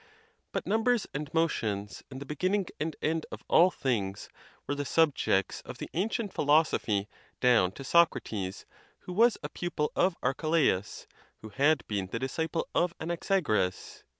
But numbers and motions, and the be ginning and end of all things, were the subjects ef the an cient philosophy down to Socrates, who was a pupil of Ar chelaus, who had been the disciple of Anaxagoras.